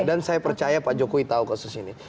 dan saya percaya pak jokowi tahu kasus ini